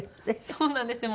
そうなんですよ。